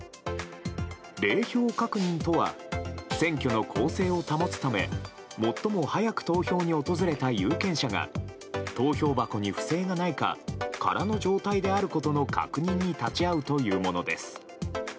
零票確認とは選挙の公正を保つため最も早く投票に訪れた有権者が投票箱に不正がないか空の状態であることの確認に立ち会うというものです。